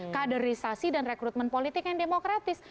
kaderisasi dan rekrutmen politik yang demokratis